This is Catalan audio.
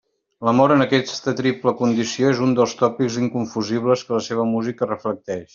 L'amor, en aquesta triple condició, és un dels tòpics inconfusibles que la seva música reflecteix.